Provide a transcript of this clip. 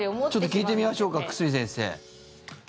聞いてみましょうか久住先生。